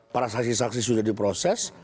para saksi saksi sudah diproses